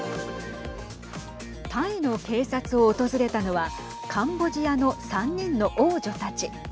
タイの警察を訪れたのはカンボジアの３人の王女たち。